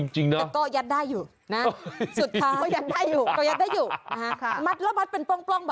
จริง